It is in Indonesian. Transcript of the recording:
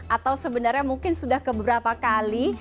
atau sebenarnya mungkin sudah keberapa kali